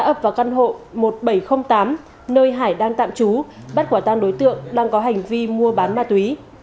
ập vào căn hộ một nghìn bảy trăm linh tám nơi hải đang tạm trú bắt quả tang đối tượng đang có hành vi mua bán ma túy